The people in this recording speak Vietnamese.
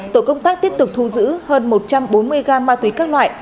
tổ công tác tiếp tục thu giữ hơn một trăm bốn mươi g ma túy các loại